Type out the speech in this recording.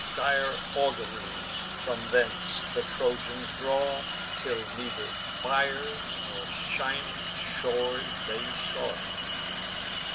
Dire auguries from hence the Trojans draw; Till neither fires nor shining shores they saw.